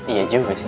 iya juga sih